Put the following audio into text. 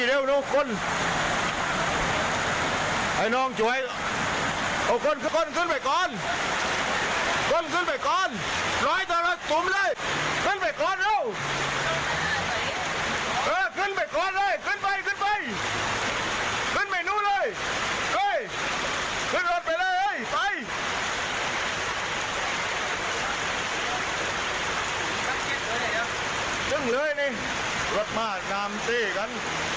รักมากงามอินติกัน